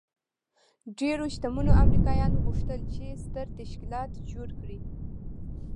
ډېرو شتمنو امريکايانو غوښتل چې ستر تشکيلات جوړ کړي.